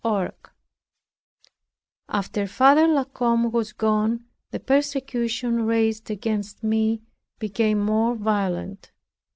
CHAPTER 7 After Father La Combe was gone, the persecution raised against me became more violent.